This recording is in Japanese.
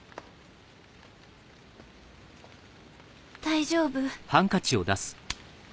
大丈夫？